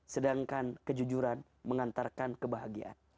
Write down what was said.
sedangkan kejujuran mengantarkan kebahagiaan